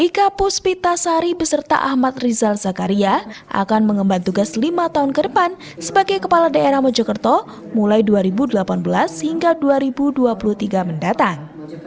ika puspita sari beserta ahmad rizal zakaria akan mengemban tugas lima tahun ke depan sebagai kepala daerah mojokerto mulai dua ribu delapan belas hingga dua ribu dua puluh tiga mendatang